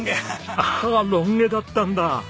ロン毛だったんだ。